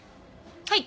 はい。